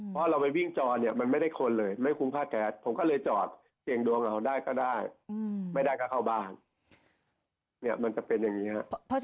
เพราะเราไปวิ่งจอเนี่ยมันไม่ได้คนเลยไม่คุ้มค่าแก๊สผมก็เลยจอดเสี่ยงดวงเราได้ก็ได้ไม่ได้ก็เข้าบ้านเนี่ยมันจะเป็นอย่างนี้ครับ